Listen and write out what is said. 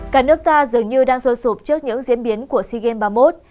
cả nước ta dường như đang xô sụp trước những diễn biến của sea games ba mươi một